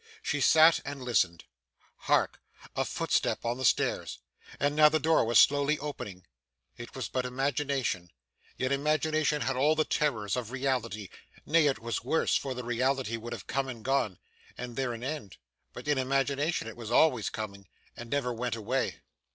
She sat and listened. Hark! A footstep on the stairs, and now the door was slowly opening. It was but imagination, yet imagination had all the terrors of reality; nay, it was worse, for the reality would have come and gone, and there an end, but in imagination it was always coming, and never went away.